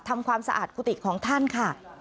ทำความสะอาดกุฏิของท่านค่ะ